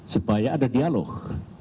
supaya ada dialog